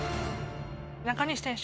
中西選手